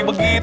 yuk yuk yuk